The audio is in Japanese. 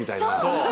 そう。